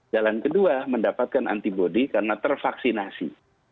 jalan kedua mendapatkan antibody karena tervaksinasi